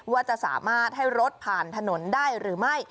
ว่าจะสามารถให้รถผ่านถนนได้หรือไม่